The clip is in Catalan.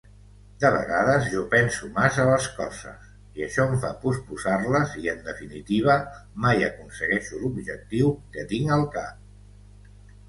De vegades Jo penso massa les coses i això em fa posposar-les i en definitiva mai aconsegueixo l'objectiu que tinc al cap.